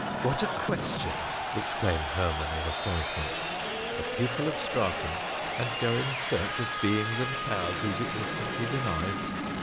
"What a question!" exclaimed Hermon in astonishment. "A pupil of Straton, and go in search of beings and powers whose existence he denies!